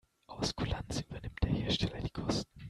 Aus Kulanz übernimmt der Hersteller die Kosten.